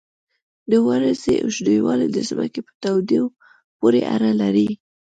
د ورځې اوږدوالی د ځمکې په تاوېدو پورې اړه لري.